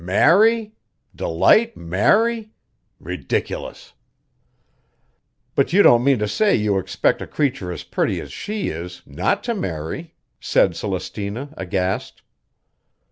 Marry? Delight marry! Ridiculous!" "But you don't mean to say you expect a creature as pretty as she is not to marry," said Celestina aghast.